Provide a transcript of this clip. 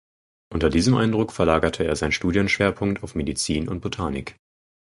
Unter diesem Eindruck verlagerte er sein Studienschwerpunkt auf Medizin und Botanik.